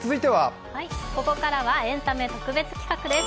ここからはエンタメ特別企画です。